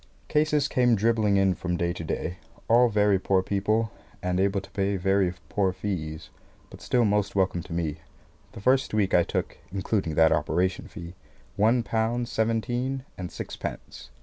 Cases came dribbling in from day to day all very poor people, and able to pay very poor fees but still most welcome to me. The first week I took (including that operation fee) one pound seventeen and sixpence.